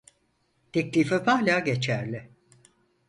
Teklifim hâlâ geçerli.